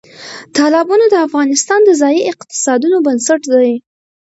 تالابونه د افغانستان د ځایي اقتصادونو بنسټ دی.